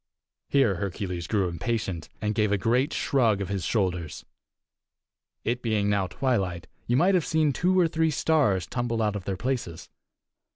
Here Hercules grew impatient, and gave a great shrug of his shoulders. It being now twilight, you might have seen two or three stars tumble out of their places.